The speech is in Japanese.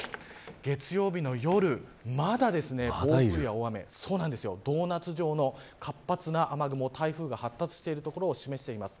月曜日の夜、まだ暴風や大雨ドーナツ状の活発な雨雲台風が発達している所を示しています。